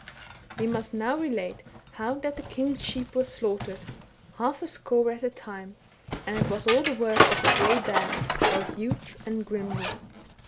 We must now relate how that the king's sheep were slaughtered, half a score at a time, and it was all the work of a grey bear, both huge and grimly.